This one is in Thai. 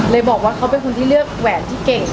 บอกว่าเขาเป็นคนที่เลือกแหวนที่เก่ง